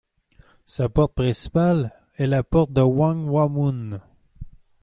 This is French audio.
Sa porte principale est la porte de Gwanghwamun.